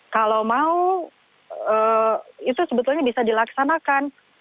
kalau mau itu sebetulnya bisa dilaksanakan